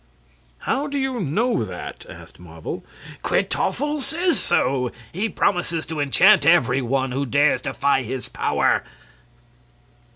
"How do you know that?" asked Marvel. "Kwytoffle says so. He promises to enchant every one who dares defy his power."